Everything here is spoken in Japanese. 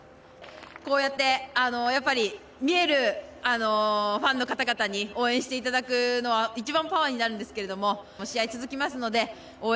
こうやって、見えるファンの方々に応援していただくのは一番パワーになるんですけれども、試合続きますので応援